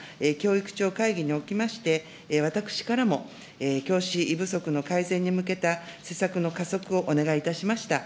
教育ちょう会議におきまして、私からも教師不足の改善に向けた施策の加速をお願いいたしました。